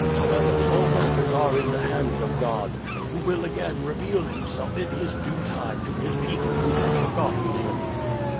However, all matters are in the hands of God, who will again reveal himself in his due time to his people who have forgotten him."